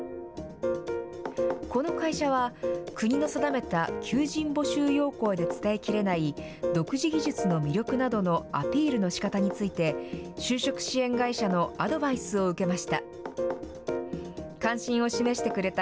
この会社は、国の定めた求人募集要項で伝えきれない独自技術の魅力などのアピールのしかたについて、就職支援会社のアドバイスを受けました。